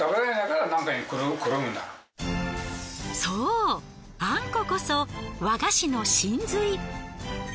そうあんここそ和菓子の神髄。